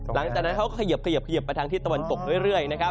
หลังจากนั้นเขาก็เขยิบไปทางที่ตะวันตกเรื่อย